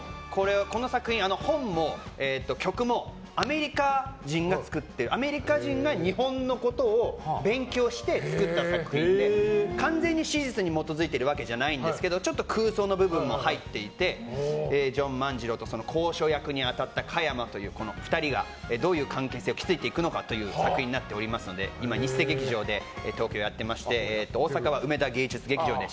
この作品、本も曲もアメリカ人が作ったアメリカ人が日本のことを勉強して作った作品で完全に史実に基づいているわけじゃないんですけどちょっと空想の部分も入っていてジョン万次郎と交渉役に入った香山という２人がどういう関係性を築いていくのかという作品になってますので今日生劇場でやっていまして大阪からは梅田芸術劇場です。